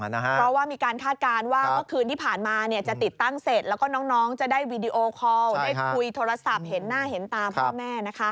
เพราะว่ามีการคาดการณ์ว่าเมื่อคืนที่ผ่านมาจะติดตั้งเสร็จแล้วก็น้องจะได้วีดีโอคอลได้คุยโทรศัพท์เห็นหน้าเห็นตาพ่อแม่